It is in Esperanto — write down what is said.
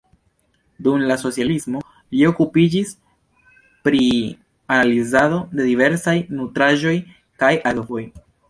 Dum la socialismo li okupiĝis pri analizado de diversaj nutraĵoj kaj akvoj.